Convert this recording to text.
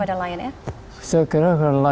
ada di rumah ya